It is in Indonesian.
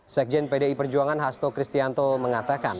sekjen pdi perjuangan hasto kristianto mengatakan